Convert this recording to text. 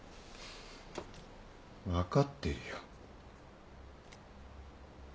分かってるよ。